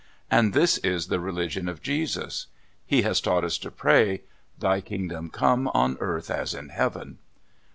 And this is the religion of Jesus. He has taught us to pray "Thy kingdom come on earth as in heaven."